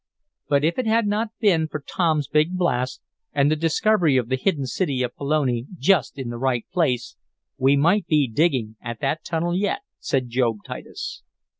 "But if it had not been for Tom's big blast, and the discovery of the hidden city of Pelone just in the right place, we might be digging at that tunnel yet," said Job Titus.